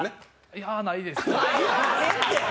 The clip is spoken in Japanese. いや、ないですね。